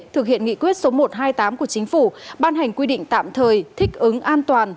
thực hiện nghị quyết số một trăm hai mươi tám của chính phủ ban hành quy định tạm thời thích ứng an toàn